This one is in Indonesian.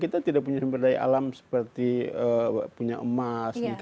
kita tidak punya sumber daya alam seperti punya emas